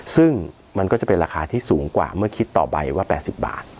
ซึ่งมันก็จะเป็นราคาที่สูงกว่าเมื่อคิดต่อไปว่า๘๐บาท